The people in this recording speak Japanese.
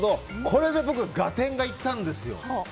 これで僕、合点がいったんですよ。